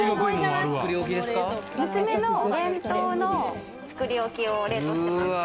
娘のお弁当の作り置きを冷凍してます。